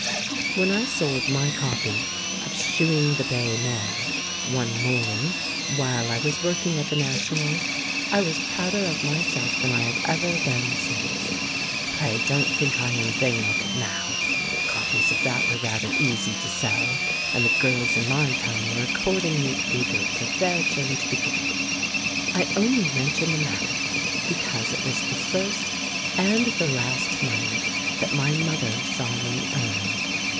When I sold my copy of "Shoeing the Bay Mare" one morning, while I was work ing at the National, I was prouder of myself than I have ever been since. Pray don't think I am vain of it now; copies of that were rather easy to sell, and the girls in my time were accord ingly eager for their turn to begin it; I only mention the matter because it was the first and the last money that my mother saw me earn.